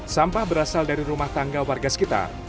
sampah berasal dari rumah tangga warga sekitar